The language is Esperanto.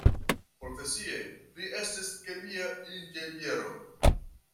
Profesie, li estis kemia inĝeniero.